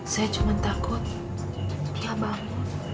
saya cuma takut dia bangun